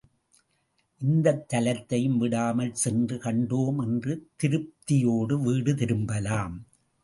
இந்தத் தலத்தையும் விடாமல் சென்று கண்டோம், என்ற திருப்தியோடு வீடு திரும்பலாம்.